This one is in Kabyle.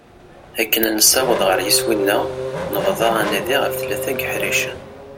Akken ad nessaweḍ ɣer yiswi-nneɣ nebḍa anadi ɣef tlata yeḥricen.